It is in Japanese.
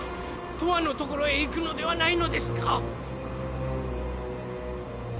とわのところへ行くのではないのですか？